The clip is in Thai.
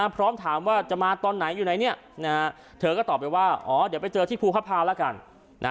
พร้อมถามว่าจะมาตอนไหนอยู่ไหนเธอก็ตอบไปว่าอ๋อเดี๋ยวไปเจอที่ภูพภาแล้วกัน